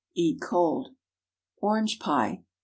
Eat cold. ORANGE PIE.